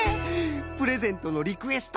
プレゼントのリクエスト